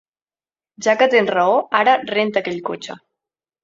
Ja que tens raó, ara renta aquell cotxe.